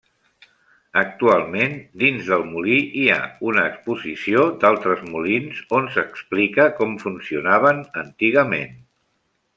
Actualment, dins del molí hi ha una exposició d'altres molins on s'explica com funcionaven antigament.